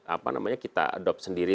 apa namanya kita adopsi sendiri